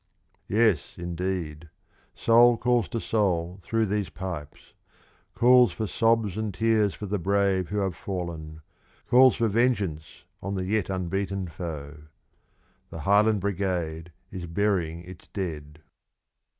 Yes, indeed; soul calls to soul through these pipes calls for sobs and tears for the brave who have fallen calls for vengeance on the yet unbeaten foe. The Highland Brigade is burying its dead.